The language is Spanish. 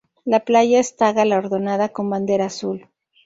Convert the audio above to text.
La playa está galardonada con bandera azul.